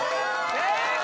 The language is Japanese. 正解！